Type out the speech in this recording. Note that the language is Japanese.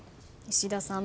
石田さん